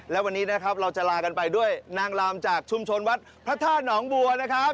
และวันนี้นะครับเราจะลากันไปด้วยนางลำจากชุมชนวัดพระธาตุหนองบัวนะครับ